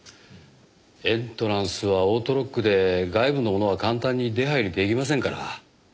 エントランスはオートロックで外部の者は簡単に出入り出来ませんから。